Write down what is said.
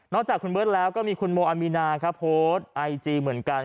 จากคุณเบิร์ตแล้วก็มีคุณโมอามีนาครับโพสต์ไอจีเหมือนกัน